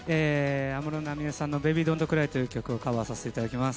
安室奈美恵さんの「ＢａｂｙＤｏｎ’ｔＣｒｙ」という曲をカバーさせていただきます。